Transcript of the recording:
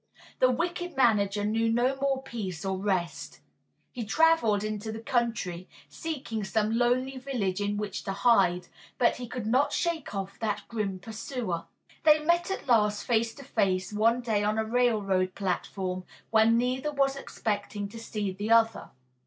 The wicked manager knew no more peace or rest. He traveled into the country, seeking some lonely village in which to hide, but he could not shake off that grim pursuer. They met at last face to face one day on a railroad platform when neither was expecting to see the other.